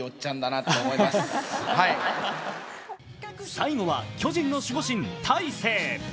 最後は巨人の守護神・大勢。